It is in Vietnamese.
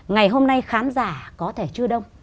ngày hôm nay khán giả có thể chưa đông